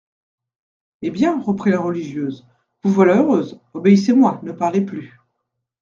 Eh bien, reprit la religieuse, vous voilà heureuse, obéissez-moi, ne parlez plus.